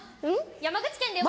山口県では。